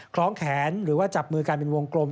คล้องแขนหรือว่าจับมือกันเป็นวงกลม